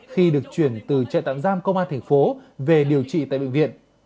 khi được chuyển từ trại tạm giam công an tp về điều trị tại bệnh viện